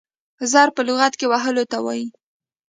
ضرب په لغت کښي وهلو ته وايي.